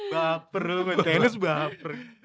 baper lu main tenis baper